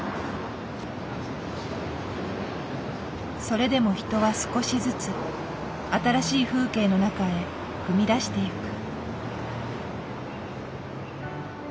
それでも人は少しずつ新しい風景の中へ踏み出していく。